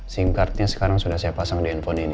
sim cardnya sekarang sudah saya pasang di handphone ini